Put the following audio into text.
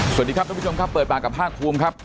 สวัสดีครับทุกผู้ชมครับเปิดปากกับภาคภูมิครับ